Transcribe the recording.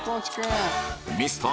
ミスター